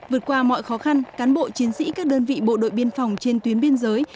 vượt qua mọi khó khăn cán bộ chiến sĩ các đơn vị bộ đội biên phòng trên tuyến biên giới